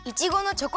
チョコ。